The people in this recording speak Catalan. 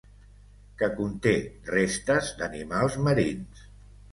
Que conté restes d'animals marins.